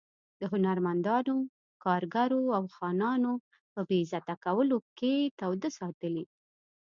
د هنرمندانو، کارګرو او خانانو په بې عزته کولو کې توده ساتلې.